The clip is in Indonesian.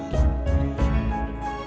firwayu punya headka kelapa